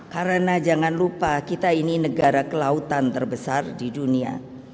karena jangan lupa kita ini negara kelautan terbesar di dunia